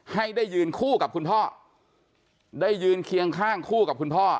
ให้ได้ยืนคู่กับคุณพ่อได้ยืนเคียงข้างคู่กับคุณพ่อ